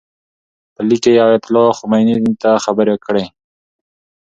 په لیک کې یې ایتالله خمیني ته خبرې کړي.